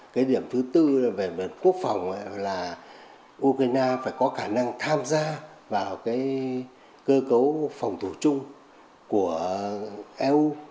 cái điểm thứ tư là về quốc phòng là ukraine phải có khả năng tham gia vào cái cơ cấu phòng thủ chung của eu